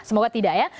semoga tidak ya